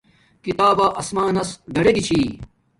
کتابا آسمانس گاڈگی چھی